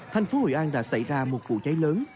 thành phố hội an đã xảy ra một vụ cháy lớn